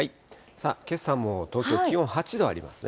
けさも東京、気温８度ありますね。